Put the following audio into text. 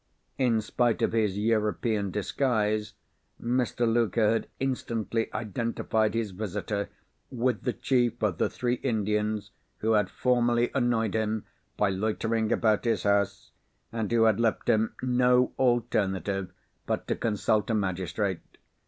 In spite of his European disguise, Mr. Luker had instantly identified his visitor with the chief of the three Indians, who had formerly annoyed him by loitering about his house, and who had left him no alternative but to consult a magistrate.